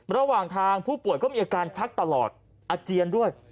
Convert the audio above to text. ระหว่างทางผู้ป่วยก็มีอาการชักตลอดอาเจียนด้วย